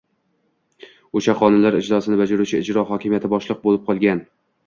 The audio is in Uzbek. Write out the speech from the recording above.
o‘sha qonunlar ijrosini bajaruvchi ijro hokimiyati boshliq bo‘lib olgan.